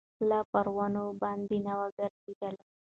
لا پر ونو باندي نه ووګرځېدلی